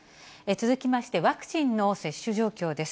続きまして、ワクチンの接種状況です。